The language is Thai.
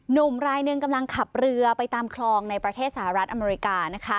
หนุ่มรายหนึ่งกำลังขับเรือไปตามคลองในประเทศสหรัฐอเมริกา